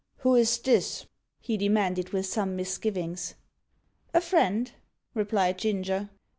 "Who is this?" he demanded with some misgiving. "A friend," replied Ginger.